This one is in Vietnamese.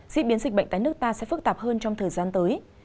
diễn biến dịch bệnh tại nước ta sẽ phức tạp hơn trong thời gian tới